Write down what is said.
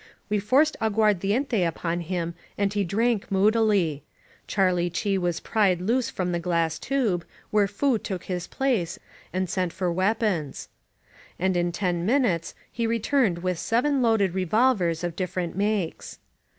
We forced agtuardiente upon him and he drank moodily. Charlie Chee was pried loose from the glass tube, where Foo took his place, and sent for weapons. And in ten minutes he returned with seven loaded revol vers of different makes.